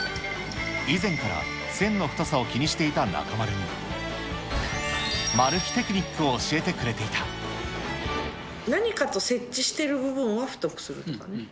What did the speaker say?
以前から線の太さを気にしていた中丸に、マル秘テクニックを教え何かと接地してる部分は太くするとかね。